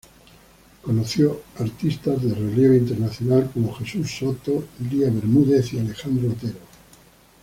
Conoció artistas de relieve internacional, como Jesús Soto, Lía Bermúdez y Alejandro Otero.